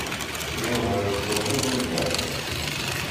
Yuba yesseww i Lwiza.